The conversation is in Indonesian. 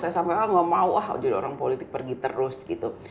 saya sampai ah nggak mau ah jadi orang politik pergi terus gitu